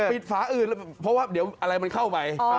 ฝาอื่นเพราะว่าเดี๋ยวอะไรมันเข้าไป